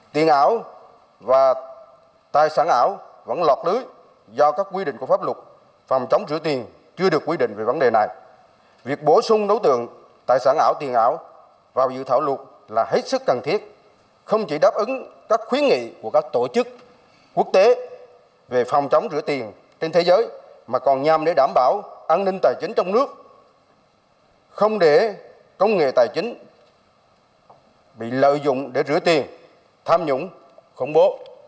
việc bổ sung các quy định của pháp luật phòng chống rửa tiền chưa được quy định về vấn đề này việc bổ sung đối tượng tài sản ảo tiền ảo vào sự thảo luật là hết sức cần thiết không chỉ đáp ứng các khuyến nghị của các tổ chức quốc tế về phòng chống rửa tiền trên thế giới mà còn nhằm để đảm bảo an ninh tài chính trong nước không để công nghệ tài chính bị lợi dụng để rửa tiền tham nhũng khủng bố